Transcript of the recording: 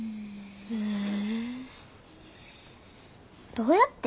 どうやって？